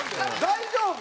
大丈夫？